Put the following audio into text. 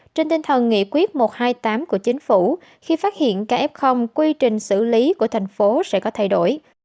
trên tinh thần nghị quyết một trăm hai mươi tám của chính phủ khi phát hiện kf quy trình xử lý của thành phố sẽ có thay đổi